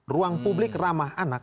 ruang publik ramah anak